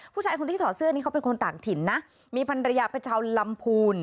ผู้ชายที่ถอเสือกเป็นคนต่างถิ่นมีพันธุระยะพระเจ้าลำพูล